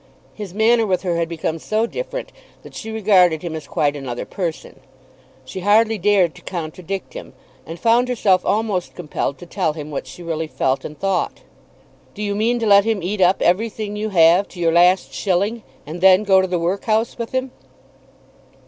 His manner with her had become so different that she regarded him as quite another person. She hardly dared to contradict him, and found herself almost compelled to tell him what she really felt and thought. "Do you mean to let him eat up everything you have to your last shilling, and then go to the workhouse with him?"